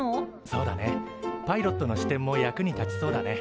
そうだねパイロットの視点も役に立ちそうだね。